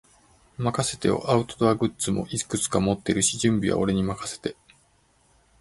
任せてよ。アウトドアグッズもいくつか持ってるし、準備は俺に任せて。